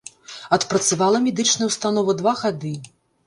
Адпрацавала медычная ўстанова два гады.